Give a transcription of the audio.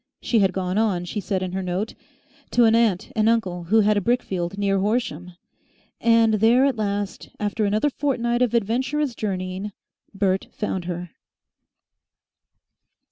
She had gone on, she said in her note, to an aunt and uncle who had a brickfield near Horsham. And there at last, after another fortnight of adventurous journeying, Bert found her.